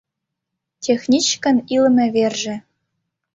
Техничкын илыме верже.